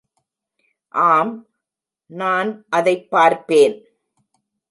ஆம், நான் அதைப் பார்ப்பேன்.